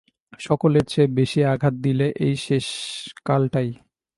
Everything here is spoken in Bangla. সকলের চেয়ে বেশি আঘাত দিলে এই শেষকালটায়।